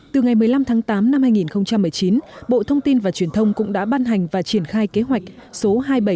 từ ngày một mươi năm tháng tám năm hai nghìn một mươi chín bộ thông tin và truyền thông cũng đã ban hành và triển khai kế hoạch số hai trăm bảy mươi chín